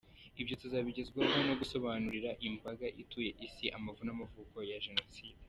Ibyo tuzabigezwaho no gusobanurira imbaga ituye Isi amavu n’amavuko ya Jenoside.